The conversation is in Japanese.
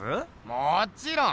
もちろん！